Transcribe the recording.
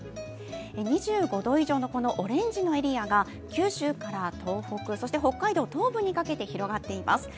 ２５度以上のオレンジのエリアが岸から東北、そして北海道東部にかけて広がっています。